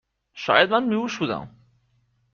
شاید من بیهوش بودم